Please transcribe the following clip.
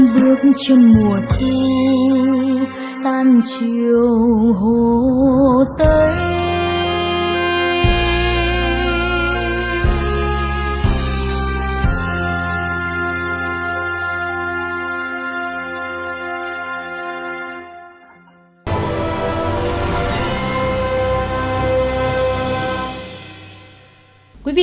bước trên mùa thu tan chiều hồ tây